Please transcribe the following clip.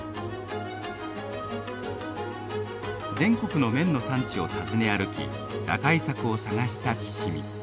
全国の麺の産地を訪ね歩き打開策を探した吉見。